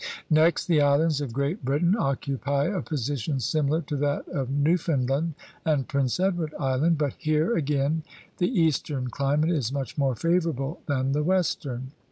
Next the islands of Great Britain occupy a position similar to that of New foundland and Prince Edward Island. But here again the eastern climate is much more favorable than the western.